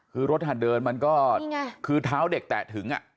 คือรถหัดเดินมันก็คือเท้าเด็กแตะถึง